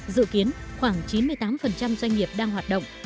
dự kiến khoảng chín mươi tám doanh nghiệp đang hoạt động